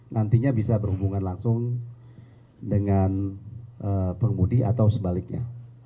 nantinya bisa berhubungan langsung dengan pengemudi atau sebaliknya